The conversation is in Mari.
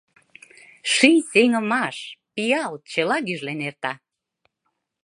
Ший сеҥымаш, пиал — чыла гӱжлен эрта.